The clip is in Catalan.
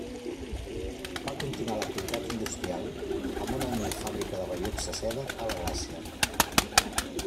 Va continuar l'activitat industrial amb una humil fàbrica de velluts de seda a la Gràcia.